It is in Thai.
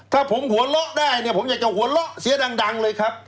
ถ้าผมหัวเราะได้เนี่ยผมอยากจะหัวเราะเสียดังเลยครับ